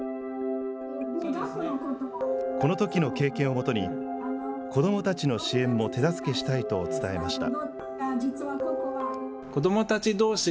このときの経験をもとに、子どもたちの支援も手助けしたいと伝えました。